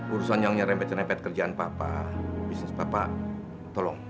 urusan yang nyerempet nerempet kerjaan papa bisnis papa tolong